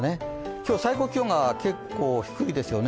今日、最高気温が結構低いですよね